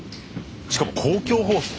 しかも公共放送。